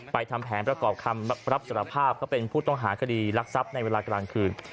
ทำแผนประกอบคำรับสารภาพเขาเป็นผู้ต้องหาคดีรักทรัพย์ในเวลากลางคืน